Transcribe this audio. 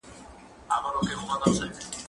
هغه څوک چي امادګي منظم وي،